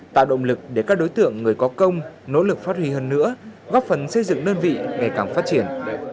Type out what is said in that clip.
tạo động lực để các đối tượng người có công nỗ lực phát huy hơn nữa góp phần xây dựng đơn vị ngày càng phát triển